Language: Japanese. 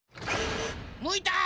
むいた！